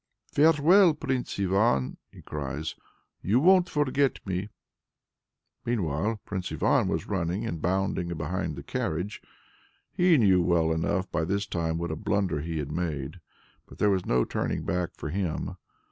"Farewell, Prince Ivan!" he cries; "you won't forget me!" Meanwhile Prince Ivan was running and bounding behind the carriage. He knew well enough by this time what a blunder he had made, but there was no turning back for him.